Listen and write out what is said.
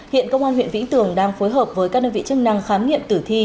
hiện công an huyện vĩnh tường đang phối hợp với các đơn vị chức năng khám nghiệm tử thi